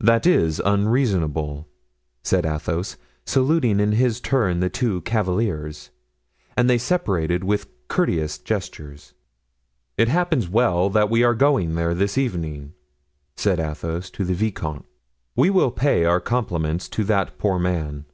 "That is unreasonable," said Athos, saluting in his turn the two cavaliers. And they separated with courteous gestures. "It happens well that we are going there this evening," said Athos to the vicomte; "we will pay our compliments to that poor man."